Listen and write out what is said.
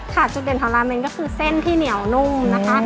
จุดเด่นของราเมนก็คือเส้นที่เหนียวนุ่มนะคะ